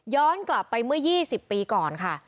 กลับไปเมื่อ๒๐ปีก่อนค่ะ